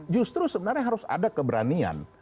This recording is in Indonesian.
justru sebenarnya harus ada keberanian